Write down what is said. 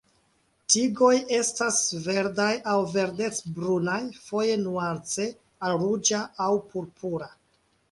Tigoj estas verdaj aŭ verdec-brunaj, foje nuance al ruĝa aŭ purpura.